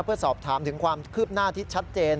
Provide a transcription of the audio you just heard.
เพื่อสอบถามถึงความคืบหน้าที่ชัดเจน